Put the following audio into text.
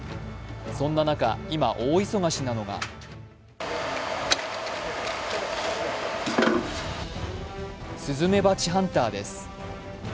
そんな中、今大忙しなのがスズメバチハンターです。